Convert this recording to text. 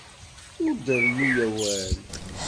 Ur d-rennu awal!